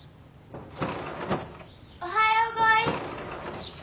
おはようごいす。